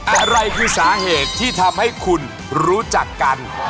อะไรคือสาเหตุที่ทำให้คุณรู้จักกัน